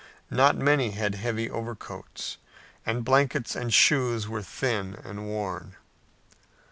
Not many had heavy overcoats, and blankets and shoes were thin and worn.